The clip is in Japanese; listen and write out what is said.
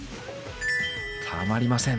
たまりません。